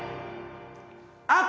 あっ！